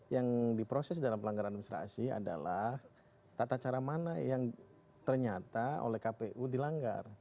yang diproses dalam pelanggaran administrasi adalah tata cara mana yang ternyata oleh kpu dilanggar